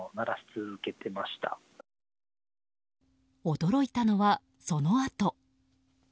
驚いたのは、そのあと。